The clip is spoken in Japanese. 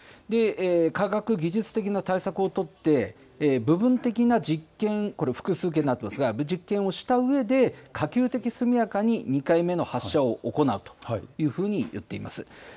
科学技術的な対策をとって、部分的な実験、これ複数形になっていますが、実験をしたうえで、可及的速やかに２回目の発射を行うというふうに言っています。